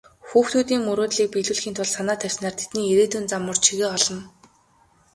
Хүүхдүүдийн мөрөөдлийг биелүүлэхийн тулд санаа тавьснаар тэдний ирээдүйн зам мөр чигээ олно.